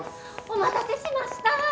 お待たせしました！